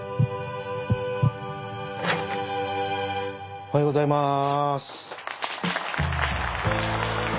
おはようございます。